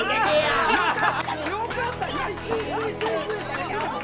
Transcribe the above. あよかった！